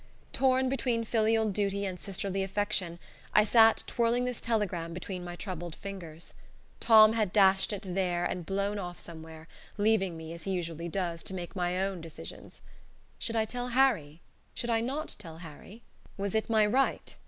Torn between filial duty and sisterly affection, I sat twirling this telegram between my troubled fingers. Tom had dashed it there and blown off somewhere, leaving me, as he usually does, to make my own decisions. Should I tell Harry? Should I not tell Harry? Was it my right?